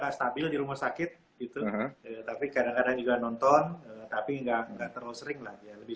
stabil di rumah sakit gitu tapi kadang kadang juga nonton tapi enggak enggak terlalu sering lah ya lebih